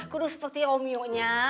kudu seperti romeo nya